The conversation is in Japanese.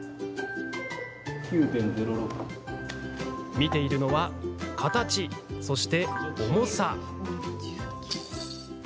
見ているのは、形、そして重さ。